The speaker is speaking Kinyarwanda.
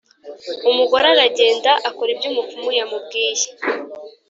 umugore aragenda akora ibyo umupfumu yamubwiye